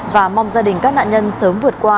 và mong gia đình các nạn nhân sớm vượt qua